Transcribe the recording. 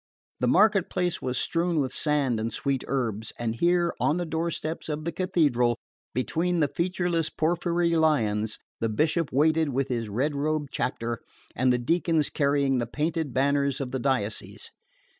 The market place was strewn with sand and sweet herbs; and here, on the doorsteps of the Cathedral, between the featureless porphyry lions, the Bishop waited with his red robed chapter, and the deacons carrying the painted banners of the diocese.